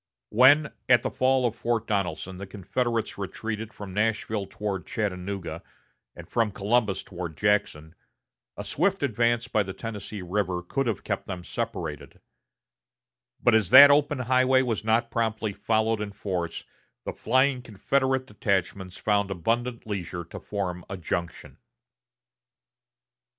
When, at the fall of Fort Donelson the Confederates retreated from Nashville toward Chattanooga, and from Columbus toward Jackson, a swift advance by the Tennessee River could have kept them separated; but as that open highway was not promptly followed in force, the flying Confederate detachments found abundant leisure to form a junction.